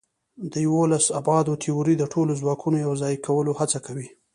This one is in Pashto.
د یوولس ابعادو تیوري د ټولو ځواکونو یوځای کولو هڅه کوي.